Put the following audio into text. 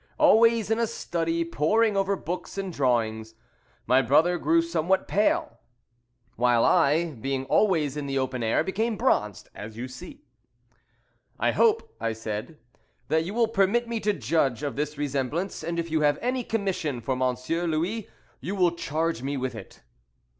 Always in a study, poring over books and drawings, my brother grew somewhat pale, while I, being always in the open air, became bronzed, as you see." "I hope," I said, "that you will permit me to judge of this resemblance, and if you have any commission for Monsieur Louis, you will charge me with it."